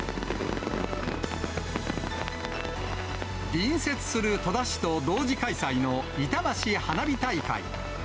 隣接する戸田市と同時開催の、いたばし花火大会。